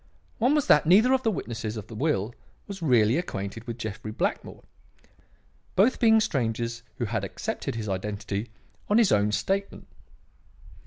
One was that neither of the witnesses to the will was really acquainted with Jeffrey Blackmore; both being strangers who had accepted his identity on his own statement.